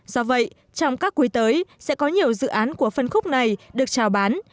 do vậy trong các quý tới sẽ có nhiều dự án của phân khúc này được trào bán